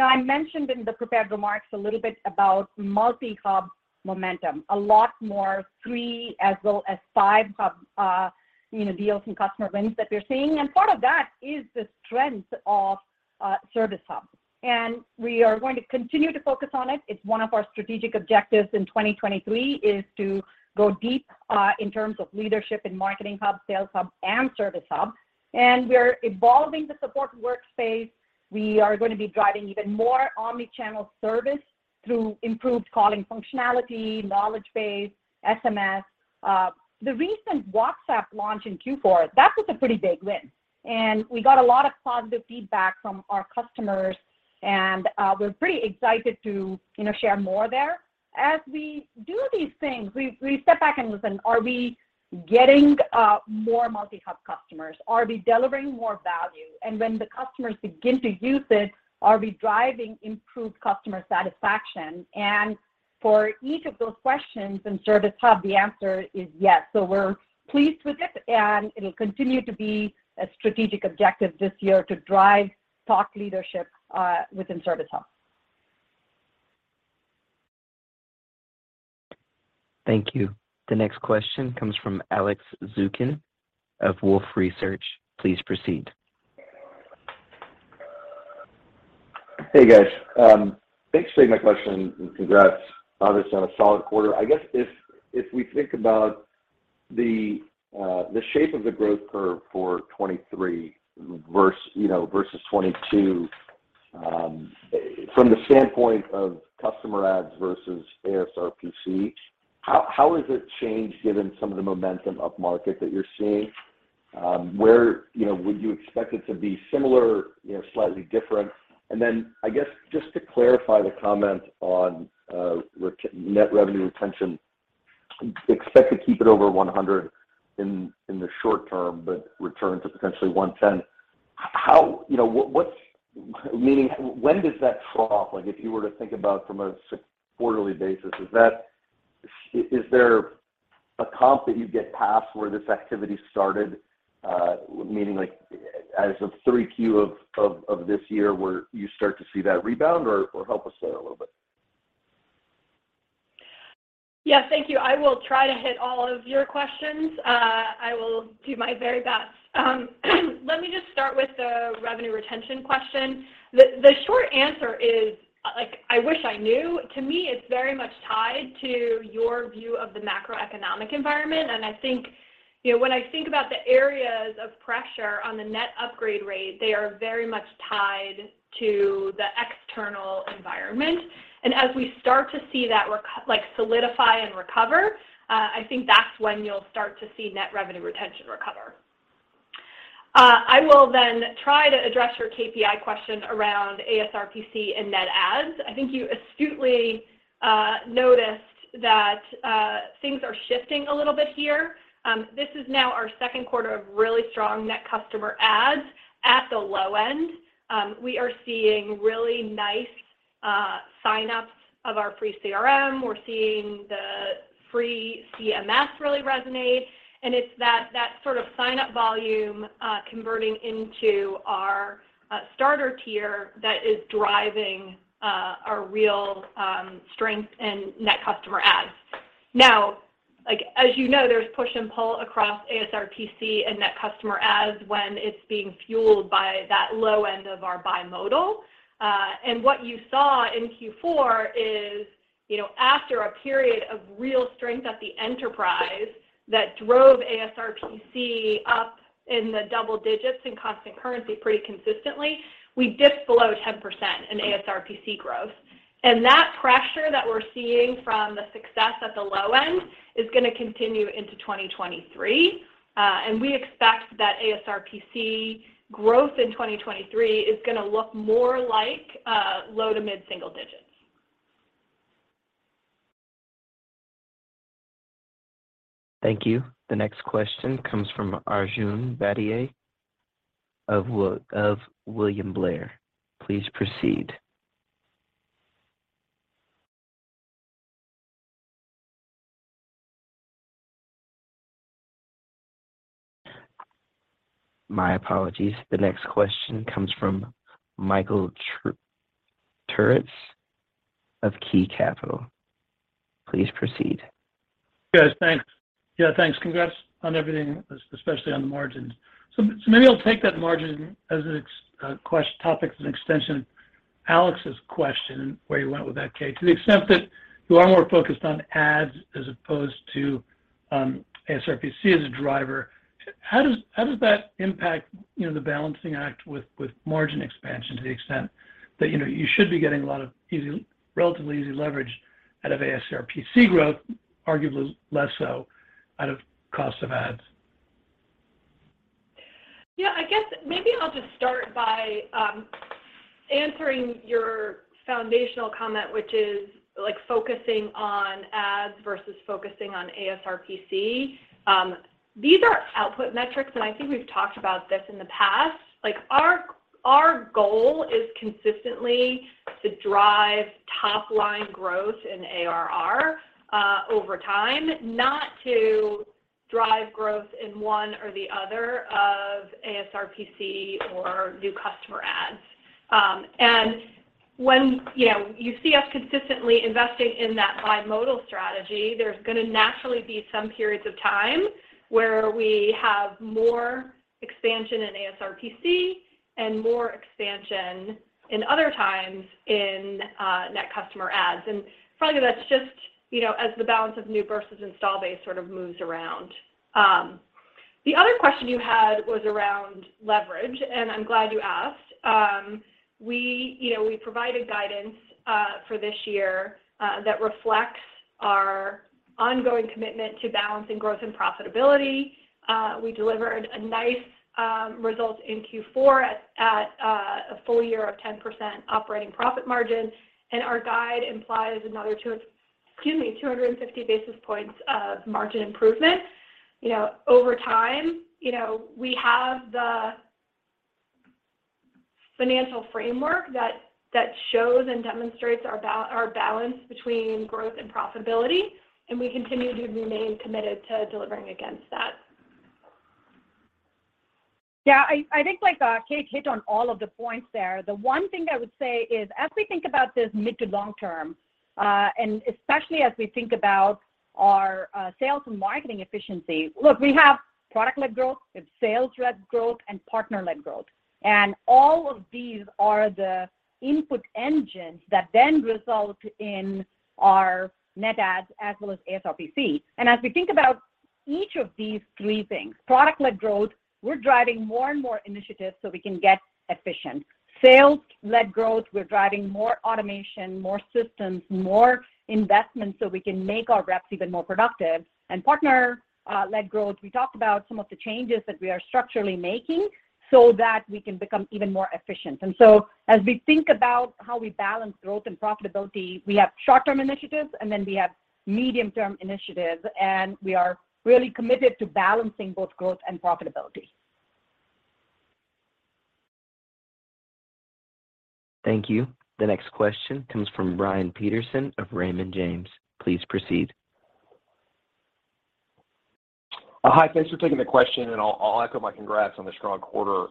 I mentioned in the prepared remarks a little bit about multi-hub momentum, a lot more 3 as well as 5-Hub, you know, deals and customer wins that we're seeing, and part of that is the strength of Service Hub. We are going to continue to focus on it. It's one of our strategic objectives in 2023, is to go deep in terms of leadership in Marketing Hub, Sales Hub, and Service Hub. We're evolving the support workspace. We are gonna be driving even more omnichannel service through improved calling functionality, knowledge base, SMS. The recent WhatsApp launch in Q4, that was a pretty big win, and we got a lot of positive feedback from our customers, and we're pretty excited to, you know, share more there. As we do these things, we step back and listen. Are we getting more multi-hub customers? Are we delivering more value? When the customers begin to use it, are we driving improved customer satisfaction? For each of those questions in Service Hub, the answer is yes. We're pleased with it, and it'll continue to be a strategic objective this year to drive thought leadership within Service Hub. Thank you. The next question comes from Alex Zukin of Wolfe Research. Please proceed. Hey, guys. Thanks for taking my question, Congrats on a solid quarter. I guess if we think about the shape of the growth curve for 2023 verse, you know, versus 2022, from the standpoint of customer adds versus ASRPC, how has it changed given some of the momentum upmarket that you're seeing? Where, you know, would you expect it to be similar, you know, slightly different? I guess just to clarify the comment on net revenue retention, expect to keep it over 100% in the short term, but return to potentially 110%. How? You know, Meaning, when does that trough, like, if you were to think about from a quarterly basis, is there a comp that you get past where this activity started, meaning like as of 3Q of this year, will you start to see that rebound or help us there a little bit? Yeah. Thank you. I will try to hit all of your questions. I will do my very best. Let me just start with the revenue retention question. The short answer is, like I wish I knew. To me, it's very much tied to your view of the macroeconomic environment, and I think, you know, when I think about the areas of pressure on the net upgrade rate, they are very much tied to the external environment. As we start to see that like solidify and recover, I think that's when you'll start to see net revenue retention recover. I will then try to address your KPI question around ASRPC and net adds. I think you astutely noticed that things are shifting a little bit here. This is now our second quarter of really strong net customer adds at the low end. We are seeing really nice sign-ups of our free CRM. We're seeing the free CMS really resonate, and it's that sort of sign-up volume converting into our starter tier that is driving our real strength in net customer adds. Now, like, as you know, there's push and pull across ASRPC and net customer adds when it's being fueled by that low end of our bimodal. What you saw in Q4 is, you know, after a period of real strength at the enterprise that drove ASRPC up in the double digits in constant currency pretty consistently, we dipped below 10% in ASRPC growth. That pressure that we're seeing from the success at the low end is gonna continue into 2023. We expect that ASRPC growth in 2023 is gonna look more like low to mid-single digits. Thank you. The next question comes from Arjun Bhatia of William Blair. Please proceed. My apologies. The next question comes from Michael Turits of Key Capital. Please proceed. Yes, thanks. Yeah, thanks. Congrats on everything, especially on the margins. Maybe I'll take that margin as a topic as an extension of Alex's question, where you went with that, Kate, to the extent that you are more focused on adds as opposed to ASRPC as a driver. How does that impact, you know, the balancing act with margin expansion to the extent that, you know, you should be getting a lot of easy, relatively easy leverage out of ASRPC growth, arguably less so out of cost of ads? Yeah, I guess maybe I'll just start by answering your foundational comment, which is like focusing on ads versus focusing on ASRPC. These are output metrics, I think we've talked about this in the past. Like, our goal is consistently to drive top-line growth in ARR over time, not to drive growth in one or the other of ASRPC or new customer adds. When, you know, you see us consistently investing in that bimodal strategy, there's gonna naturally be some periods of time where we have more expansion in ASRPC and more expansion in other times in net customer adds. Frankly, that's just, you know, as the balance of new versus install base sort of moves around. The other question you had was around leverage, I'm glad you asked. We, you know, we provided guidance for this year that reflects our ongoing commitment to balancing growth and profitability. We delivered a nice result in Q4 at a full year of 10% operating profit margin, and our guide implies another 250 basis points of margin improvement. You know, over time, you know, we have the financial framework that shows and demonstrates our balance between growth and profitability, and we continue to remain committed to delivering against that. Yeah, I think, like, Kate hit on all of the points there. The one thing I would say is as we think about this mid- to-long term, and especially as we think about our sales and marketing efficiency, look, we have product-led growth with sales rep growth and partner-led growth, all of these are the input engines that then result in our net adds as well as ASRPC. As we think about each of these three things, product-led growth, we're driving more and more initiatives so we can get efficient. Sales-led growth, we're driving more automation, more systems, more investments, so we can make our reps even more productive. Partner-led growth, we talked about some of the changes that we are structurally making so that we can become even more efficient. As we think about how we balance growth and profitability, we have short-term initiatives, and then we have medium-term initiatives, and we are really committed to balancing both growth and profitability. Thank you. The next question comes from Brian Peterson of Raymond James. Please proceed. Hi. Thanks for taking the question, and I'll echo my congrats on the strong quarter.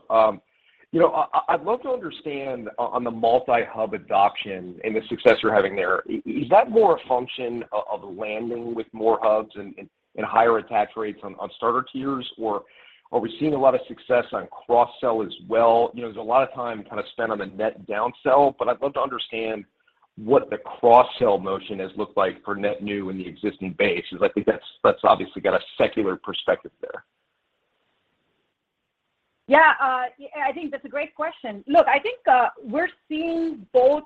You know, I'd love to understand on the multi-hub adoption and the success you're having there, is that more a function of landing with more hubs and higher attach rates on starter tiers, or are we seeing a lot of success on cross-sell as well? You know, there's a lot of time kind of spent on the net down-sell, but I'd love to understand what the cross-sell motion has looked like for net new in the existing base because I think that's obviously got a secular perspective there. Yeah. I think that's a great question. Look, I think, we're seeing both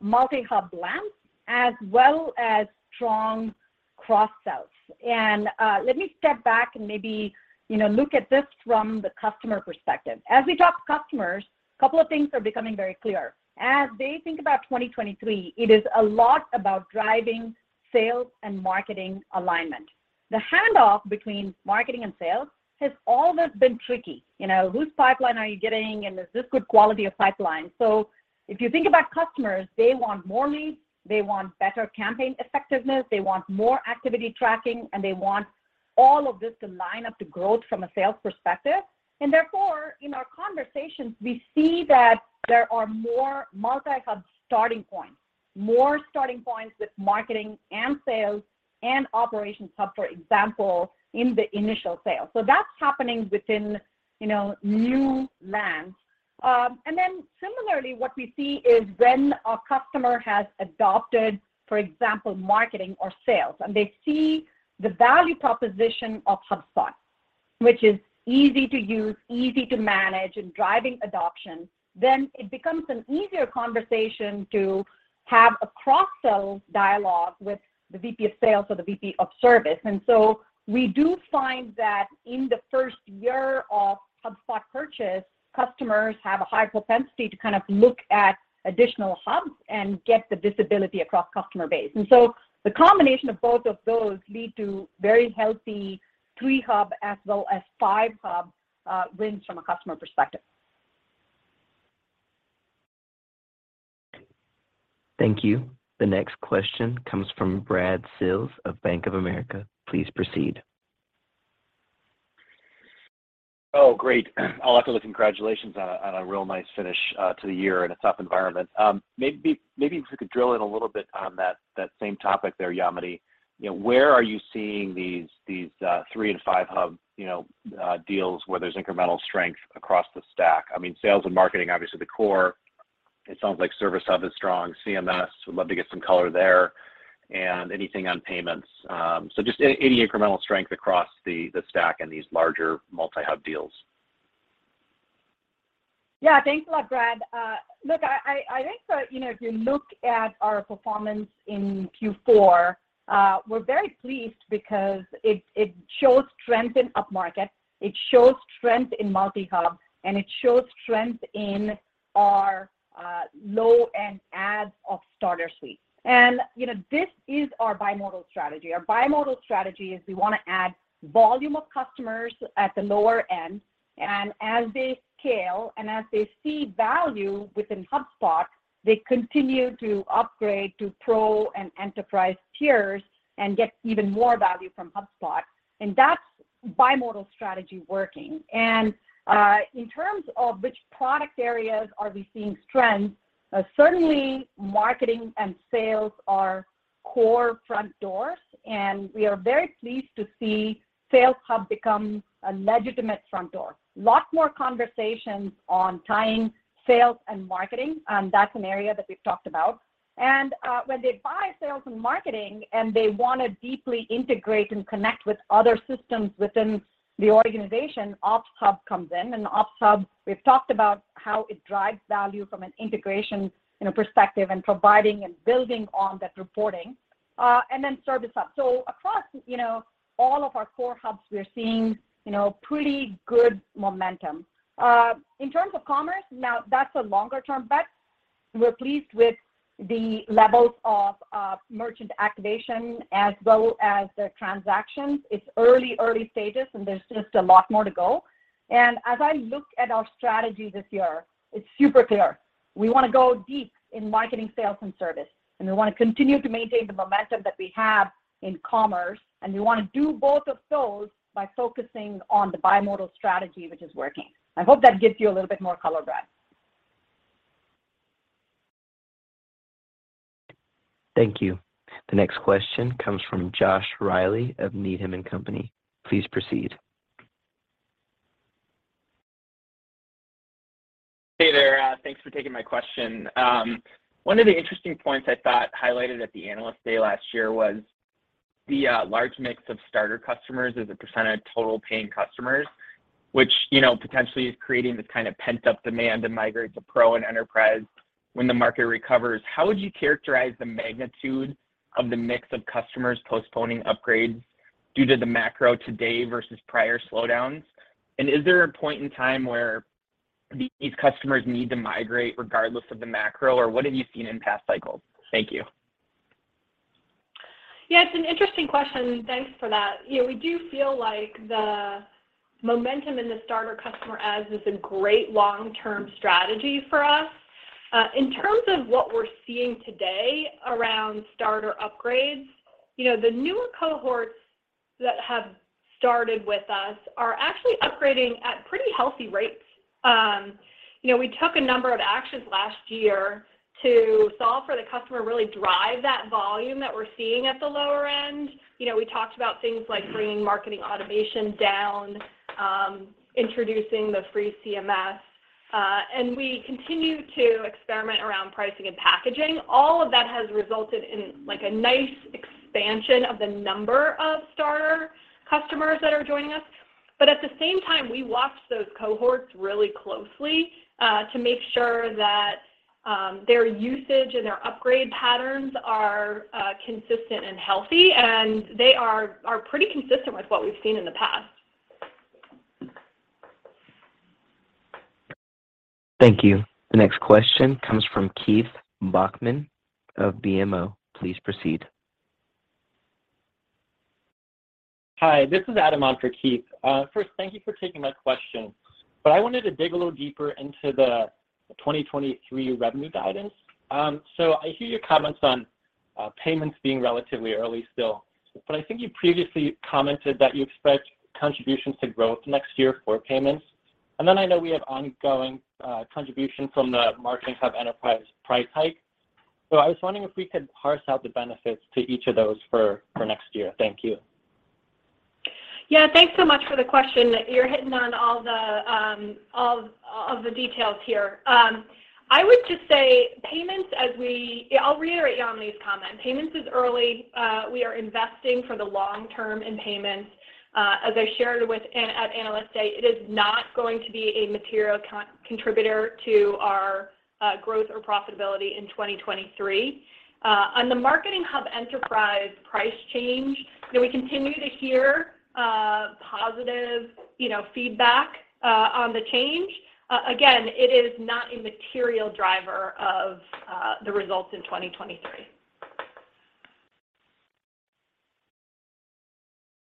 Multi-Hub lands as well as strong cross sells. Let me step back and maybe, you know, look at this from the customer perspective. As we talk to customers, couple of things are becoming very clear. As they think about 2023, it is a lot about driving sales and marketing alignment. The handoff between marketing and sales has always been tricky. You know, whose pipeline are you getting, and is this good quality of pipeline? If you think about customers, they want more leads, they want better campaign effectiveness, they want more activity tracking, and they want all of this to line up to growth from a sales perspective. Therefore, in our conversations we see that there are more multi-hub starting points, more starting points with Marketing Hub and Sales Hub and Operations Hub, for example, in the initial sale. That's happening within, you know, new lands. Similarly what we see is when a customer has adopted, for example, Marketing Hub or Sales Hub, and they see the value proposition of HubSpot, which is easy to use, easy to manage, and driving adoption, then it becomes an easier conversation to have a cross sell dialogue with the VP of sales or the VP of service. We do find that in the first year of HubSpot purchase, customers have a high propensity to kind of look at additional hubs and get the visibility across customer base. The combination of both of those lead to very healthy 3-Hub as well as 5-Hub, wins from a customer perspective. Thank you. The next question comes from Brad Sills of Bank of America. Please proceed. Oh, great. I'll have to look congratulations on a real nice finish to the year in a tough environment. Maybe if we could drill in a little bit on that same topic there, Yamini. You know, where are you seeing these 3 and 5-Hub, you know, deals where there's incremental strength across the stack? I mean, Sales and Marketing obviously the core. It sounds like Service Hub is strong. CMS, would love to get some color there, and anything on payments. Just any incremental strength across the stack and these larger multi-hub deals. Yeah. Thanks a lot, Brad. Look, I, I think that, you know, if you look at our performance in Q4, we're very pleased because it shows strength in up-market, it shows strength in multi-hub, and it shows strength in our low-end adds of starter suites. You know, this is our bimodal strategy. Our bimodal strategy is we wanna add volume of customers at the lower end, and as they scale and as they see value within HubSpot, they continue to upgrade to Pro and Enterprise tiers and get even more value from HubSpot, and that's bimodal strategy working. In terms of which product areas are we seeing strength, certainly marketing and sales are core front doors, and we are very pleased to see Sales Hub become a legitimate front door. Lot more conversations on tying sales and marketing. That's an area that we've talked about. When they buy sales and marketing and they wanna deeply integrate and connect with other systems within the organization, Ops Hub comes in. Ops Hub, we've talked about how it drives value from an integration, you know, perspective and providing and building on that reporting. Service Hub. Across, you know, all of our core hubs, we are seeing, you know, pretty good momentum. In terms of commerce, now that's a longer term bet. We're pleased with the levels of merchant activation as well as the transactions. It's early stages. There's just a lot more to go. As I look at our strategy this year, it's super clear. We wanna go deep in marketing, sales, and service, and we wanna continue to maintain the momentum that we have in commerce, and we wanna do both of those by focusing on the bimodal strategy, which is working. I hope that gives you a little bit more color, Brad. Thank you. The next question comes from Joshua Reilly of Needham & Company. Please proceed. Hey there. Thanks for taking my question. One of the interesting points I thought highlighted at the Analyst Day last year was the large mix of starter customers as a % of total paying customers, which, you know, potentially is creating this kind of pent-up demand to migrate to Pro and Enterprise when the market recovers. How would you characterize the magnitude of the mix of customers postponing upgrades due to the macro today versus prior slowdowns? Is there a point in time where these customers need to migrate regardless of the macro, or what have you seen in past cycles? Thank you. Yeah. It's an interesting question. Thanks for that. You know, we do feel like the momentum in the Starter customer adds is a great long-term strategy for us. In terms of what we're seeing today around Starter upgrades, you know, the newer cohorts that have started with us are actually upgrading at pretty healthy rates. You know, we took a number of actions last year to solve for the customer, really drive that volume that we're seeing at the lower end. You know, we talked about things like bringing Marketing automation down, introducing the free CMS, We continue to experiment around pricing and packaging. All of that has resulted in, like, a nice expansion of the number of Starter customers that are joining us. At the same time, we watch those cohorts really closely, to make sure that, their usage and their upgrade patterns are, consistent and healthy, and they are pretty consistent with what we've seen in the past. Thank you. The next question comes from Keith Bachman of BMO. Please proceed. Hi, this is Adam on for Keith. First thank you for taking my question. I wanted to dig a little deeper into the 2023 revenue guidance. I hear your comments on payments being relatively early still, but I think you previously commented that you expect contributions to growth next year for payments. I know we have ongoing contribution from the Marketing Hub Enterprise price hike. I was wondering if we could parse out the benefits to each of those for next year. Thank you. Yeah, thanks so much for the question. You're hitting on all of the details here. I would just say payments. I'll reiterate Yamini's comment. Payments is early. We are investing for the long term in payments. As I shared at Analyst Day, it is not going to be a material contributor to our growth or profitability in 2023. On the Marketing Hub Enterprise price change, you know, we continue to hear positive, you know, feedback on the change. Again, it is not a material driver of the results in 2023.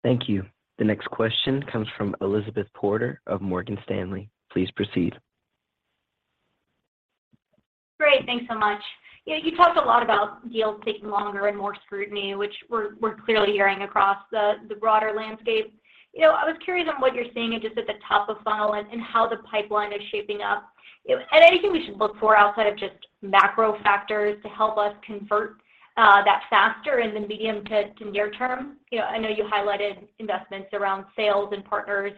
Thank you. The next question comes from Elizabeth Porter of Morgan Stanley. Please proceed. Great. Thanks so much. You know, you talked a lot about deals taking longer and more scrutiny, which we're clearly hearing across the broader landscape. You know, I was curious on what you're seeing just at the top of funnel and how the pipeline is shaping up. You know, and anything we should look for outside of just macro factors to help us convert that faster in the medium to near term. You know, I know you highlighted investments around sales and partners.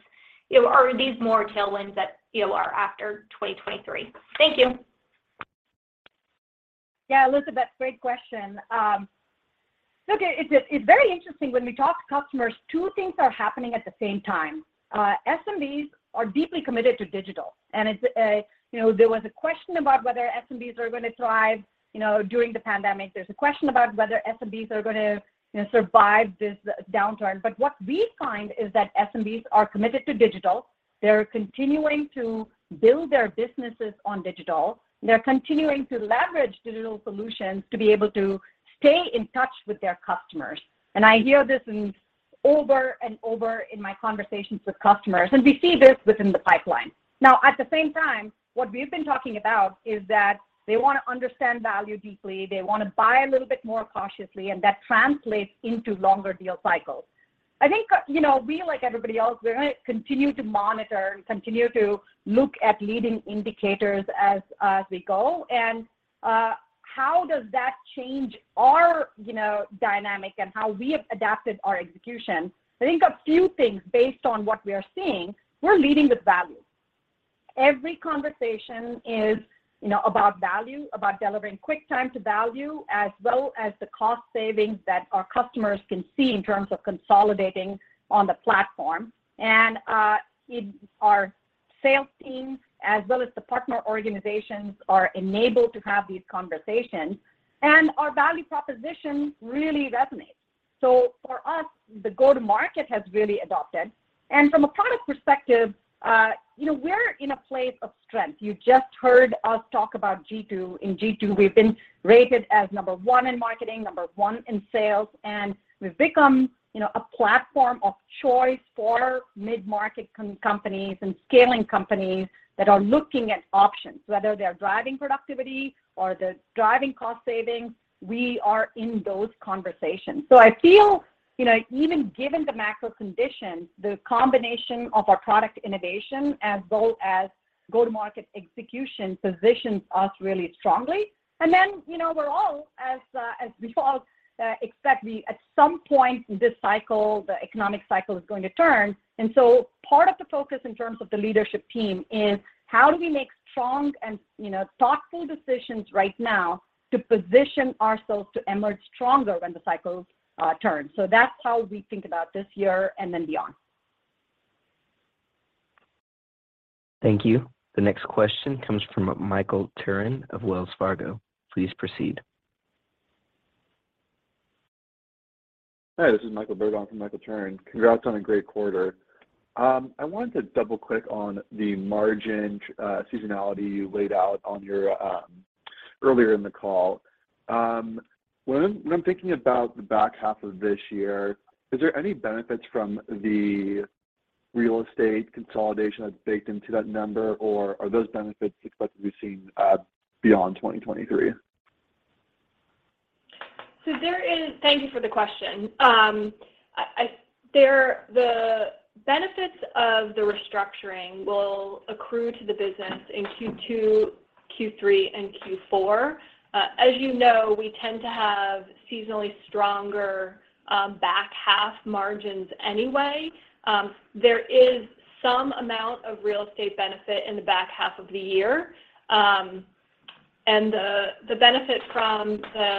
You know, are these more tailwinds that, you know, are after 2023? Thank you. Yeah, Elizabeth, great question. Look, it's very interesting when we talk to customers, two things are happening at the same time. SMBs are deeply committed to digital, and it's, you know, there was a question about whether SMBs are gonna thrive, you know, during the pandemic. There's a question about whether SMBs are going to, you know, survive this downturn. What we find is that SMBs are committed to digital. They're continuing to build their businesses on digital. They're continuing to leverage digital solutions to be able to stay in touch with their customers. I hear this in over and over in my conversations with customers, and we see this within the pipeline. Now at the same time, what we've been talking about is that they wanna understand value deeply. They wanna buy a little bit more cautiously. That translates into longer deal cycles. I think, you know, we, like everybody else, we're gonna continue to monitor and continue to look at leading indicators as we go. How does that change our, you know, dynamic and how we have adapted our execution. I think a few things based on what we are seeing, we're leading with value. Every conversation is, you know, about value, about delivering quick time to value, as well as the cost savings that our customers can see in terms of consolidating on the platform. Our sales teams as well as the partner organizations are enabled to have these conversations, and our value proposition really resonates. For us, the go-to-market has really adopted. From a product perspective, you know, we're in a place of strength. You just heard us talk about G2. In G2, we've been rated as number one in marketing, number one in sales, and we've become, you know, a platform of choice for mid-market companies and scaling companies that are looking at options, whether they're driving productivity or they're driving cost savings, we are in those conversations. I feel, you know, even given the macro conditions, the combination of our product innovation as well as go-to-market execution positions us really strongly. You know, we're all as we all, expect the at some point this cycle, the economic cycle is going to turn. Part of the focus in terms of the leadership team is how do we make strong and, you know, thoughtful decisions right now to position ourselves to emerge stronger when the cycle turns. That's how we think about this year and then beyond. Thank you. The next question comes from Michael Turrin of Wells Fargo. Please proceed. Hi, this is Michael Berg for Michael Turrin. Congrats on a great quarter. I wanted to double-click on the margin seasonality you laid out on your earlier in the call. When I'm thinking about the back half of this year, is there any benefits from the real estate consolidation that's baked into that number, or are those benefits expected to be seen beyond 2023? Thank you for the question. The benefits of the restructuring will accrue to the business in Q2, Q3, and Q4. As you know, we tend to have seasonally stronger back half margins anyway. There is some amount of real estate benefit in the back half of the year. The benefit from the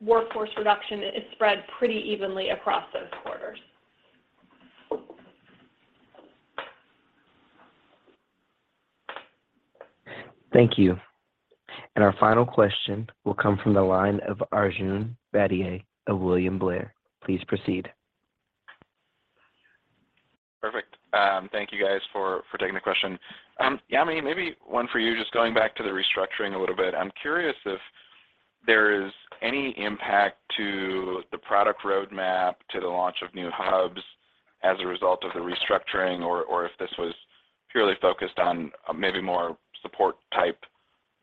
workforce reduction is spread pretty evenly across those quarters. Thank you. Our final question will come from the line of Arjun Bhatia of William Blair. Please proceed. Perfect. Thank you guys for taking the question. Yamini, maybe one for you, just going back to the restructuring a little bit. I'm curious if there is any impact to the product roadmap, to the launch of new Hubs as a result of the restructuring, or if this was purely focused on maybe more support-type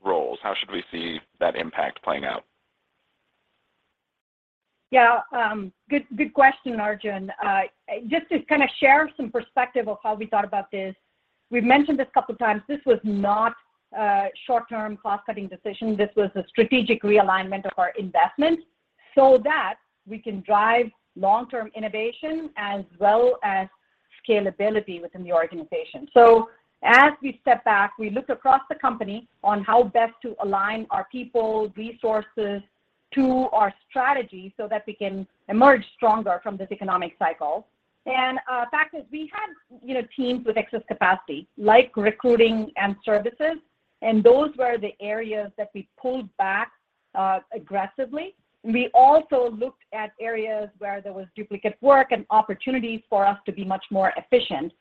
roles. How should we see that impact playing out? Good question, Arjun. Just to kind of share some perspective of how we thought about this, we've mentioned this a couple times. This was not a short-term cost-cutting decision. This was a strategic realignment of our investment so that we can drive long-term innovation as well as scalability within the organization. As we step back, we looked across the company on how best to align our people, resources to our strategy so that we can emerge stronger from this economic cycle. The fact is we had, you know, teams with excess capacity, like recruiting and services, and those were the areas that we pulled back aggressively. We also looked at areas where there was duplicate work and opportunities for us to be much more efficient.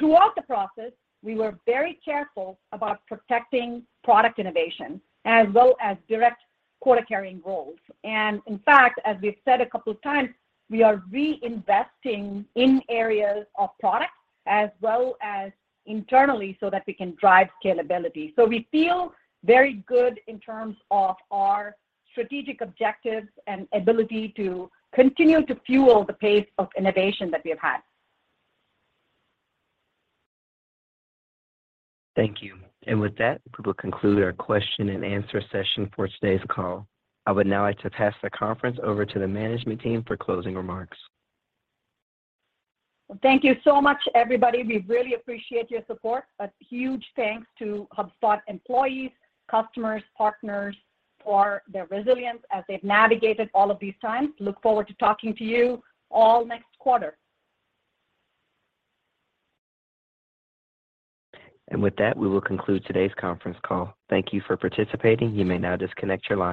Throughout the process, we were very careful about protecting product innovation as well as direct quota-carrying roles. In fact, as we've said a couple times, we are reinvesting in areas of product as well as internally so that we can drive scalability. We feel very good in terms of our strategic objectives and ability to continue to fuel the pace of innovation that we have had. Thank you. With that, we will conclude our question-and-answer session for today's call. I would now like to pass the conference over to the management team for closing remarks. Thank you so much, everybody. We really appreciate your support. A huge thanks to HubSpot employees, customers, partners for their resilience as they've navigated all of these times. Look forward to talking to you all next quarter. With that, we will conclude today's conference call. Thank you for participating. You may now disconnect your line.